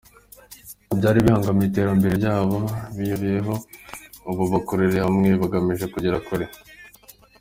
Ibyari bibangamiye iterambere ryabo bivuyeho ubu bakorere hamwe bagamije kugera kure.